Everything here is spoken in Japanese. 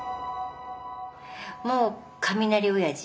もう雷おやじ。